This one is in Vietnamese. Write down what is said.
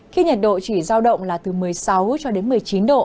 khi nhiệt độ chỉ giao động là từ một mươi sáu cho đến một mươi chín độ